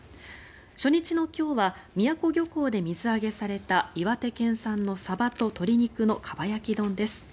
初日の今日は宮古漁港で水揚げされた岩手県産のサバと鶏肉の蒲焼丼です。